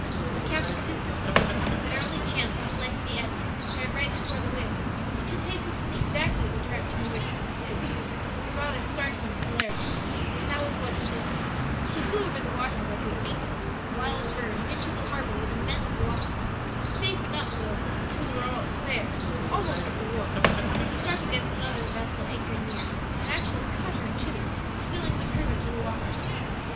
The captain soon concluded that our only chance was in letting the Edna drive right before the wind, which would take us in exactly the direction we wished to pursue, but with rather startling celerity; and that was what he did. "She flew over the water like a wild winged bird, and into the harbor with immense velocity. Safely enough, though, till we were there, almost at the wharf, when we struck against another vessel anchored near, and actually cut her in two, spilling the crew into the water."